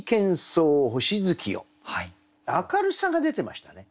明るさが出てましたね。